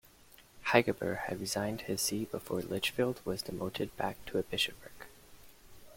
Hygeberht had resigned his see before Lichfield was demoted back to a bishopric.